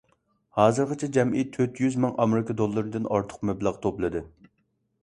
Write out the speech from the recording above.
ھازىرغىچە جەمئىي تۆت يۈز مىڭ ئامېرىكا دوللىرىدىن ئارتۇق مەبلەغ توپلىدى.